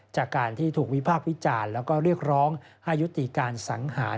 จากการที่ถูกวิพากษ์วิจารณ์แล้วก็เรียกร้องให้ยุติการสังหาร